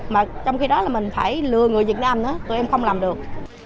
mà trong khi đó là mình phải lừa người việt nam nữa tụi em không làm được